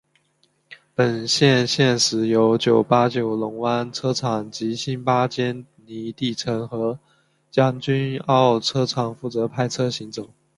本线现时由九巴九龙湾车厂及新巴坚尼地城和将军澳车厂负责派车行走。